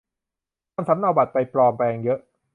ทำสำเนาบัตรไปปลอมแปลงเยอะ